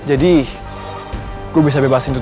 aku saja baik baik gitu